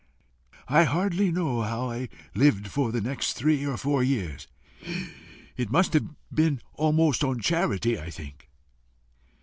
I hardly know how I lived for the next three or four years it must have been almost on charity, I think.